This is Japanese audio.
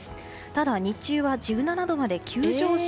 ただ、日中は１７度まで急上昇。